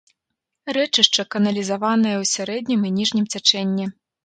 Рэчышча каналізаванае ў сярэднім і ніжнім цячэнні.